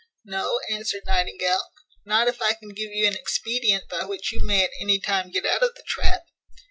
"No;" answered Nightingale, "not if I can give you an expedient by which you may at any time get out of the trap."